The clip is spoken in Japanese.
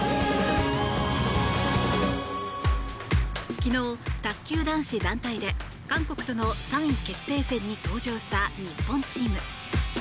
昨日、卓球男子団体で韓国との３位決定戦に登場した日本チーム。